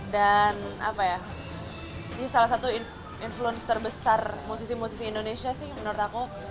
dan ini salah satu influence terbesar musisi musisi indonesia sih menurut aku